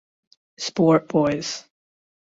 Sport Boys